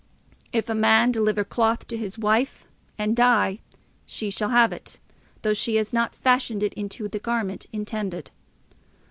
If a man deliver cloth to his wife, and die, she shall have it, though she had not fashioned it into the garment intended.